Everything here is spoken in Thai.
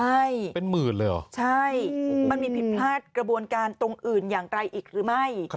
ใช่เป็นหมื่นเลยเหรอใช่มันมีผิดพลาดกระบวนการตรงอื่นอย่างไรอีกหรือไม่